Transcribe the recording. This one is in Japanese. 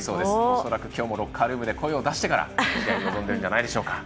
恐らくきょうもロッカールームで声を出してから試合に臨んでいるんじゃないでしょうか。